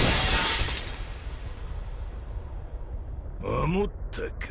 守ったか。